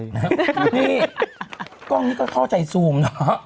โอ้คือนี่กล้องนี้ก็เข้าใจซูมหนอ